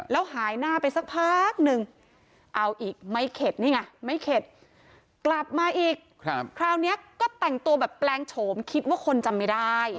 แล้วหายหน้าไปสักพักนึงเอาอีกไม่เข็ดนี่ไงไม่เข็ดกลับมาอีกคราวนี้ก็แต่งตัวแบบแปลงโฉมคิดว่าคนจำไม่ได้